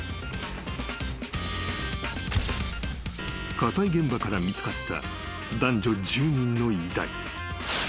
［火災現場から見つかった男女１０人の遺体］